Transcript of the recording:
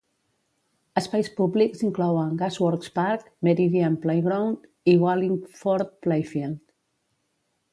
Espais públics inclouen Gas Works Park, Meridian Playground i Wallingford playfield.